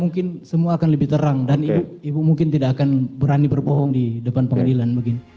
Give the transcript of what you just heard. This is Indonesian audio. mungkin semua akan lebih terang dan ibu mungkin tidak akan berani berbohong di depan pengadilan